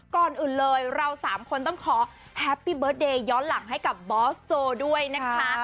ก่อนอื่นเลยเราสามคนต้องขอแฮปปี้เบิร์ตเดย์ย้อนหลังให้กับบอสโจด้วยนะคะ